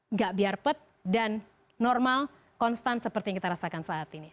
nggak biarpet dan normal konstan seperti yang kita rasakan saat ini